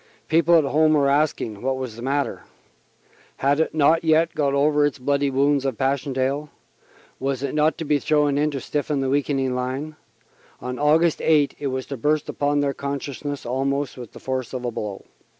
People at home were asking what was the matter. Had it not yet got over its bloody wounds of Passchendaele? Was it not to be thrown in to stiffen the weakening line? On Aug. 8 it was to burst again upon their consciousness almost with the force of a blow.